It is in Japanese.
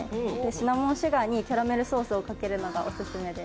シナモンシュガーにキャラメルソースをかけるのがオススメで。